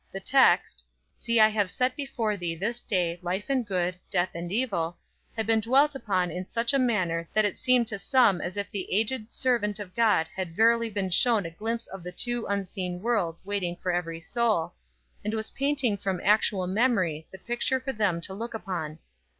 The text: "See I have set before thee this day life and good, death and evil," had been dwelt upon in such a manner that it seemed to some as if the aged servant of God had verily been shown a glimpse of the two unseen worlds waiting for every soul, and was painting from actual memory the picture for them to look upon.